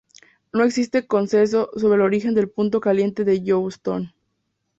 No existe consenso sobre el origen del punto caliente de Yellowstone.